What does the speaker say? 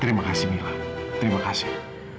terima kasih mila terima kasih